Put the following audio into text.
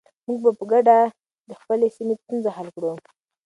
موږ به په ګډه د خپلې سیمې ستونزې حل کړو.